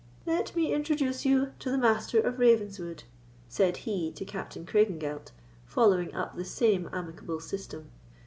"Let me introduce you to the Master of Ravenswood," said he to Captain Craigengelt, following up the same amicable system.